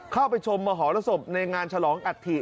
เข้าไปชมมหอรศพในงานฉลองอัฑีกิริย์